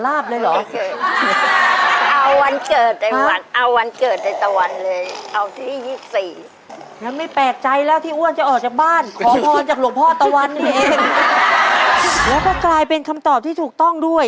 แล้วก็กลายเป็นคำตอบที่ถูกต้องด้วย